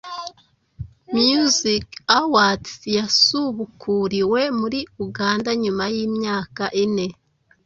Music Awards byasubukuriwe muri Uganda nyuma y’imyaka ine